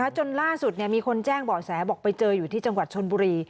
จนล่าสุดมีคนแจ้งเบาะแสบอกไปเจออยู่ที่จังหวัดชนบุรี